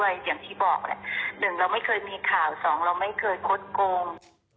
อย่างที่บอกแหละหนึ่งเราไม่เคยมีข่าวสองเราไม่เคยคดโกง